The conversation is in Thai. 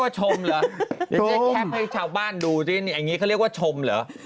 ปะหยกยังนะก็เรียกว่าชม